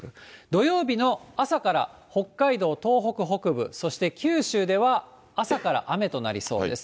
土曜日の朝から北海道、東北北部、そして九州では朝から雨となりそうです。